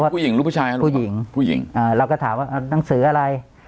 ผู้หญิงหรือผู้ชายผู้หญิงเราก็ถามว่านังสืออะไร